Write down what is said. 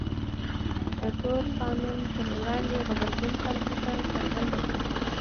د تور قانون پر وړاندې غبرګون خلکو ته څرګنده کړه.